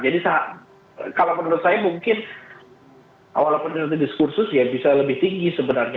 jadi kalau menurut saya mungkin awal peneliti diskursus bisa lebih tinggi sebenarnya